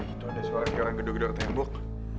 itu ada suara jalan gedung di luar tembok